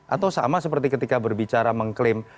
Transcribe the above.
atau sama seperti ketika berbicara mengklaim